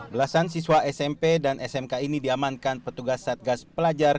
belasan siswa smp dan smk ini diamankan petugas satgas pelajar